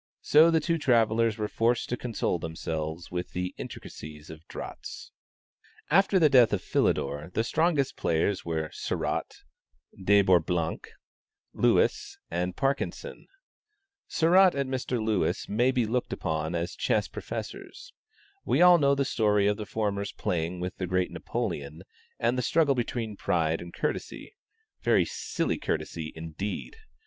So the two travellers were forced to console themselves with the intricacies of draughts. After the death of Philidor, the strongest players were Sarratt, De Bourblanc, Lewis and Parkinson. Sarratt and Mr. Lewis may be looked upon as chess professors. We all know the story of the former's playing with the great Napoleon, and the struggle between pride and courtesy (very silly courtesy, indeed!)